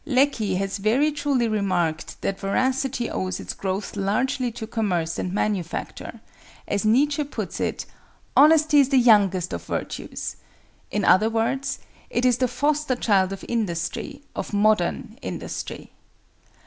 Lecky has very truly remarked that Veracity owes its growth largely to commerce and manufacture; as Nietzsche puts it, "Honesty is the youngest of virtues"—in other words, it is the foster child of industry, of modern industry.